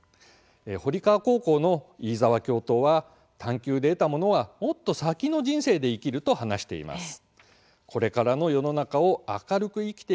堀川高校の飯澤教頭は「探究」で得たものはもっと先の人生で生きると話しています。